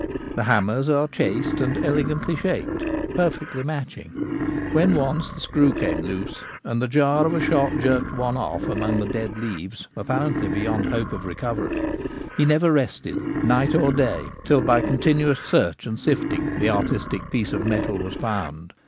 The hammers are chased and elegantly shaped — perfectly matching : when once the screw came loose, and the jar of a shot jerked one off among the dead leaves apparently beyond hope of recovery, he never rested night or day till by continuous search and sifting the artistic piece of metal was found.